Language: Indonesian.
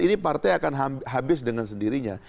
ini partai akan habis dengan sendirinya